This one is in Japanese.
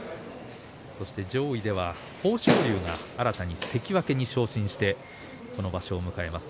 上位では豊昇龍が新たに関脇に昇進してこの場所を迎えます。